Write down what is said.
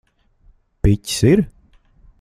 Piķis ir?